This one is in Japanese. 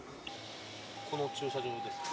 この駐車場ですか？